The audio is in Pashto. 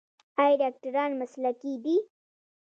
آیا ډاکټران مسلکي دي؟